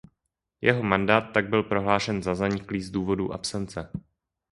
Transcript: Jeho mandát tak byl prohlášen za zaniklý z důvodu absence.